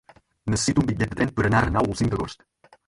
Necessito un bitllet de tren per anar a Renau el cinc d'agost.